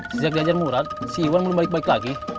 sejak jajan murad si iwan belum balik balik lagi